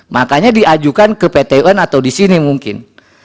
makanya diajukan ke pt un atau di sini mungkin